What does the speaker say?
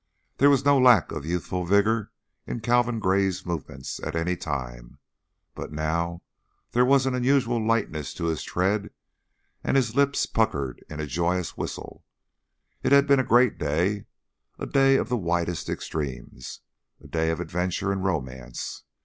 There was no lack of youthful vigor in Calvin Gray's movements at any time, but now there was an unusual lightness to his tread and his lips puckered into a joyous whistle. It had been a great day, a day of the widest extremes, a day of adventure and romance.